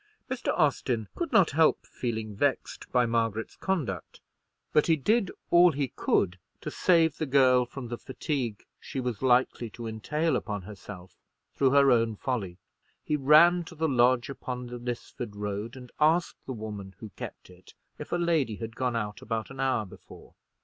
Mr. Austin could not help feeling vexed by Margaret's conduct; but he did all he could to save the girl from the fatigue she was likely to entail upon herself through her own folly. He ran to the lodge upon the Lisford Road, and asked the woman who kept it, if a lady had gone out about an hour before.